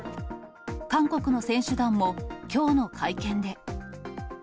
韓国の選手団もきょうの会見で。